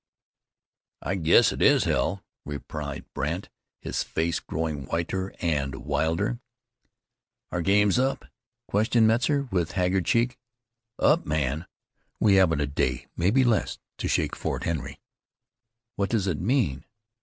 "I guess it is hell," replied Brandt, his face growing whiter and wilder. "Our game's up?" questioned Metzar with haggard cheek. "Up? Man! We haven't a day, maybe less, to shake Fort Henry." "What does it mean?"